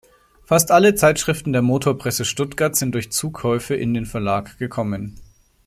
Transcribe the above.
Fast alle Zeitschriften der Motor Presse Stuttgart sind durch Zukäufe in den Verlag gekommen.